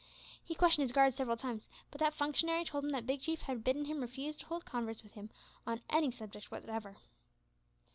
He questioned his guard several times, but that functionary told him that Big Chief had bidden him refuse to hold converse with him on any subject whatever.